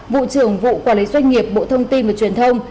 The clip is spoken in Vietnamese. vụ trưởng vụ quản lý doanh nghiệp bộ thông tin và truyền thông